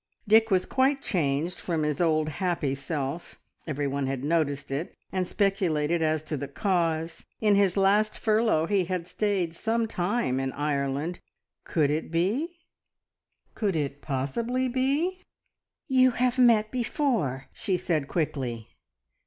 Dick was quite changed from his old happy self everyone had noticed it, and speculated as to the cause. In his last furlough he had stayed some time in Ireland. Could it be could it possibly be "You have met before?" she said quickly.